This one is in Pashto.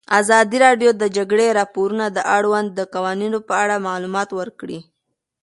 ازادي راډیو د د جګړې راپورونه د اړونده قوانینو په اړه معلومات ورکړي.